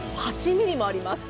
８ｍｍもあります。